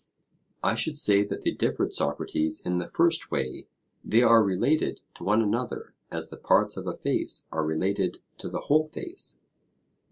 I should say that they differed, Socrates, in the first way; they are related to one another as the parts of a face are related to the whole face.